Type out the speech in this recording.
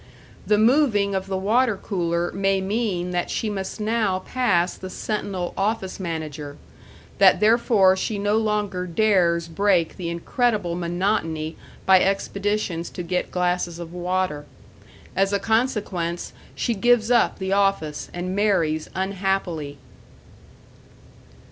The moving of the water cooler may mean that she must now pass the sentinel office manager; that therefore she no longer dares break the incredible monotony by expeditions to get glasses of water. As a consequence she gives up the office and marries unhappily.